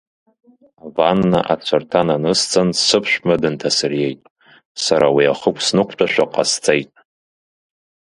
Аванна ацәарҭа нанысҵан сыԥшәма дынҭасыриеит, сара уи ахықә снықәтәашәа ҟасҵеит.